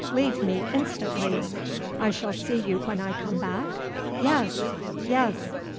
leave me instantly!" "I shall see you when I come back?" "Yes! yes!"